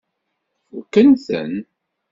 Fukken-ten?